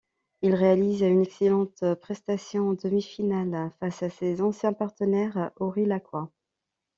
Il réalise une excellente prestation en demi-finale, face à ses anciens partenaires aurillacois.